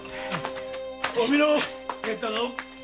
おみの帰ったぞ。